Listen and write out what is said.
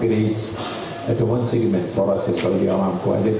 karena kita harus melihat tiga perusahaan yang diperbaiki di satu segmen